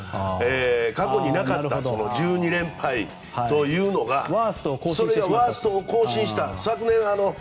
過去になかった１２連敗というのがそれがワーストを更新した。